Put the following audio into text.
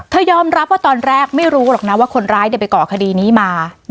ยอมรับว่าตอนแรกไม่รู้หรอกนะว่าคนร้ายไปก่อคดีนี้มา